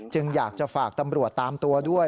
อยากจะฝากตำรวจตามตัวด้วย